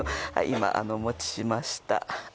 今お持ちしました